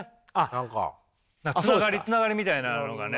つながりみたいなのがね。